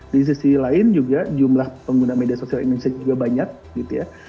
di sisi lain juga jumlah pengguna media sosial indonesia juga banyak gitu ya